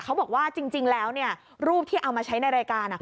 เขาบอกว่าจริงแล้วรูปที่เอามาใช้ในรายการ